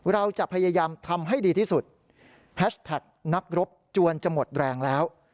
เราจะพยายามทำให้ดีที่สุดแฮชแท็กนักรบจวนจะหมดแรงแล้ว